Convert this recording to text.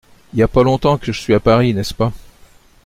Y a pas longtemps que je suis à Paris, n’est-ce pas…